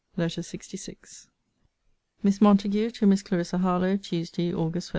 LETTER LXVI MISS MONTAGUE, TO MISS CLARISSA HARLOWE TUESDAY, AUG. 1.